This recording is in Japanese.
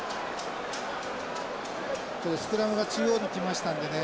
スクラムが中央にきましたんでね